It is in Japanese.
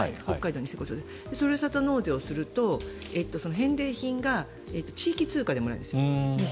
ふるさと納税をすると返礼品が地域通貨でもらえるんです。